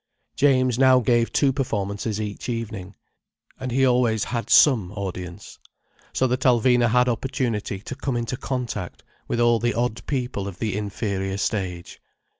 James now gave two performances each evening—and he always had some audience. So that Alvina had opportunity to come into contact with all the odd people of the inferior stage.